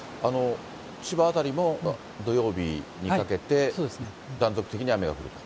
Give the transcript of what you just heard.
千葉辺りも土曜日にかけて、断続的に雨が降ると。